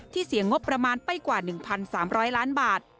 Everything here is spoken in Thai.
เสียงงบประมาณไปกว่า๑๓๐๐ล้านบาท